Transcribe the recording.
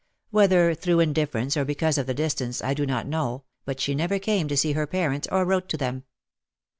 Whether through indifference or because of the distance, I do not know, but she never came to see her parents or wrote to them.